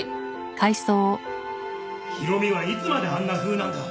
弘美はいつまであんなふうなんだ？